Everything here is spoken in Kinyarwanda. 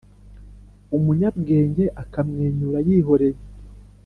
umunyabwenge akamwenyura yihoreye.